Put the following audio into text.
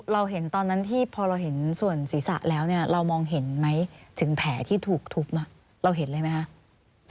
เราเห็นตอนนั้นที่พอเราเห็นส่วนศีรษะแล้วเนี่ยเรามองเห็นไหมถึงแผลที่ถูกทุบเราเห็นเลยไหมคะ